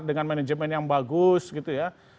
dengan manajemen yang bagus gitu ya